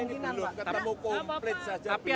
yang dibubarkan bukan kik ya bukan kik